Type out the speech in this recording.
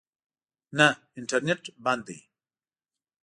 نه، انټرنېټ بند دی